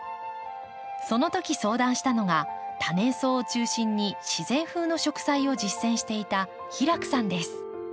その時相談したのが多年草を中心に自然風の植栽を実践していた平工さんです。